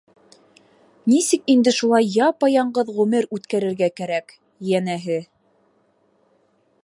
Нисек инде шулай япа-яңғыҙ ғүмер үткәрергә кәрәк, йәнәһе.